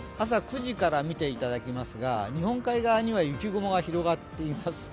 朝９時から見ていただきますが、日本海側には雪雲が広がっています。